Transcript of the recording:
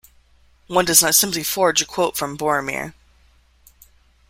One does not simply forge a quote from Boromir.